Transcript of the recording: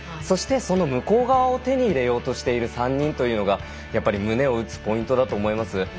そして、その向こう側を手に入れようとしている３人というのがやっぱり胸を打つポイントだと思います。